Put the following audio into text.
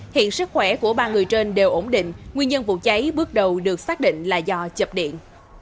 hiện sức khỏe của ba người trên đều ổn định nguyên nhân vụ cháy bước đầu được xác định là do chập điện